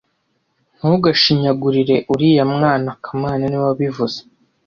Ntugashinyagure uriya mwana kamana niwe wabivuze